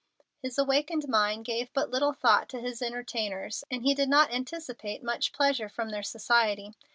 His awakened mind gave but little thought to his entertainers, and he did not anticipate much pleasure from their society.